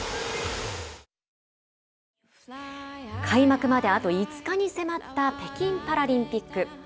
開幕まで、あと５日に迫った北京パラリンピック。